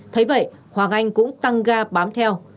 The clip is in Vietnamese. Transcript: thế vậy hoàng anh cũng tăng ga bám theo